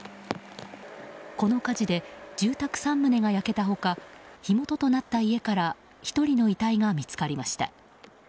この火事で住宅３棟が焼けた他火元となった家から１人の遺体が見つかりました。